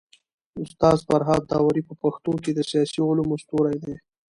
استاد فرهاد داوري په پښتو کي د سياسي علومو ستوری دی.